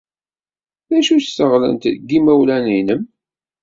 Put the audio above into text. D acu-tt teɣlent n yimawlan-nnem?